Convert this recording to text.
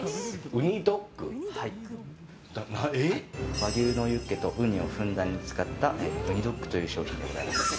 和牛のユッケとウニをふんだんに使った雲丹ドッグという商品でございます。